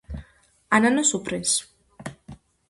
ანანოს უფრენს!